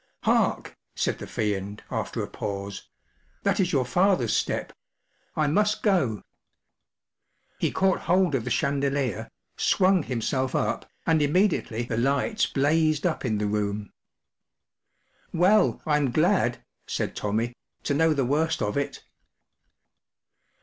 Hark ! ” said the Fiend, after a pause, “ that is your father’s step. I must go.” He caught hold of the chandelier, swung himself up, and immediately the lights blazed up in the room. “ Well, I’m glad,” said Tommy, “ to know the worst of it.